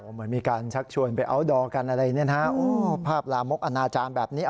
เหมือนมีการชักชวนไปอัลดอร์กันอะไรเนี่ยนะภาพลามกอนาจารย์แบบนี้